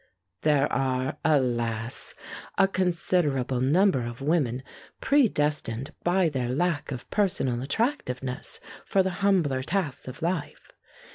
There are, alas! a considerable number of women predestined by their lack of personal attractiveness for the humbler tasks of life.